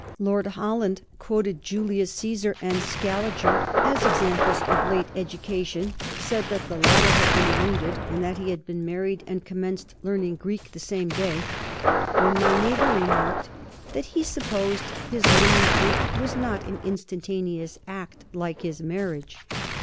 Lord Holland quoted Julius Caesar and Scaliger as examples of late education, said that the latter had been wounded, and that he had been married and commenced learning Greek the same day, when my neighbor remarked 'that he supposed his learning Greek was not an instantaneous act like his marriage.'